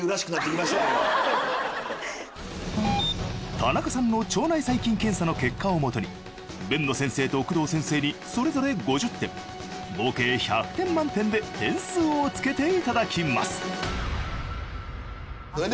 田中さんの腸内細菌検査の結果を基に辨野先生と工藤先生にそれぞれ５０点合計１００点満点で点数をつけていただきます